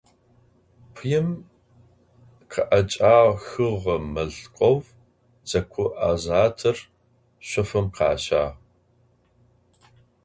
Пыим къыӏэкӏахыгъэ мылъкоу дзэ ку азатыр шъофым къащагъ.